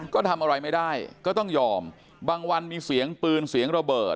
ก็ทำอะไรไม่ได้ก็ต้องยอมบางวันมีเสียงปืนเสียงระเบิด